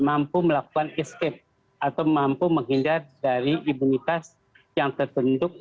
mampu melakukan escape atau mampu menghindar dari imunitas yang terbentuk